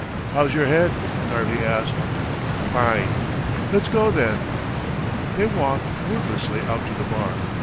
"How's your head?" Narvi asked. "Fine." "Let's go, then." They walked, wordlessly, out to the barn.